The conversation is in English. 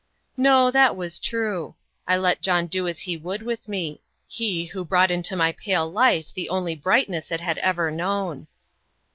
No that was true. I let John do as he would with me he who brought into my pale life the only brightness it had ever known.